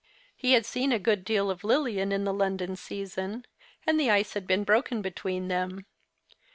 He had seen a good deal of Lilian in the London season ; and the ice had been broken between them.